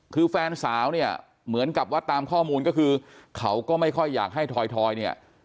คือแฟนสาวเนี่ยเหมือนกับว่าตามข้อมูลก็คือเขาก็ไม่ค่อยอยากให้ถอยเนี่ย